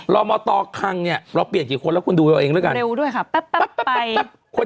รอมาต่อคังเนี่ยเราไปเปลี่ยนกี่คนละคุณดูเองเหรอด้วยกัน